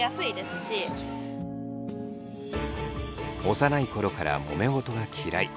幼い頃からもめ事が嫌い。